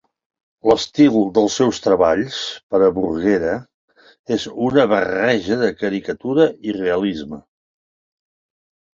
L'estil dels seus treballs per a Bruguera és una barreja de caricatura i realisme.